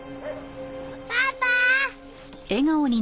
パパ！